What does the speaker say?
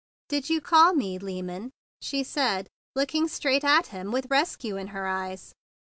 "Did you call me—Lyman?" she said, looking straight at him with rescue in her eyes.